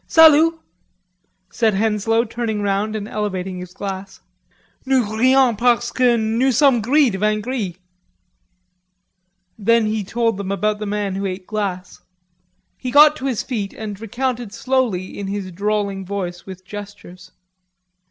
"Salut," said Henslowe turning round and elevating his glass. "Nous rions parceque nous sommes gris de vin gris." Then he told them about the man who ate glass. He got to his feet and recounted slowly in his drawling voice, with gestures.